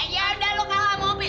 ya udah lu kalah sama opi